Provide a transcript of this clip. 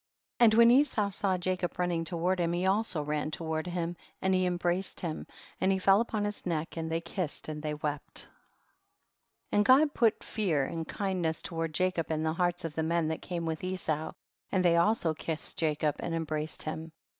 56. And when Esau saw Jacob running toward him, he also ran to ward him and he embraced him, and he fell upon his neck, and they kissed and they wept. THE BOOK OF JASHER. 95 57. And God put fear and kind ness toward Jacob in the hearts of the men that came with Esau, and they also kissed Jacob and embraced him.